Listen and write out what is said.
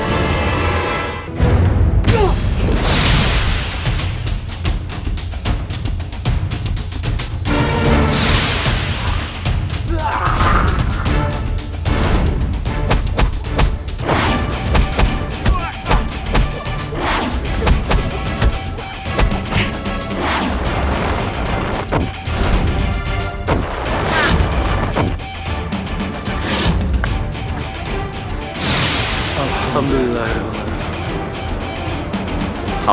aku bisa mengalahkan mereka